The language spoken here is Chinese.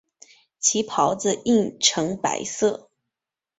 其孢子印呈白色。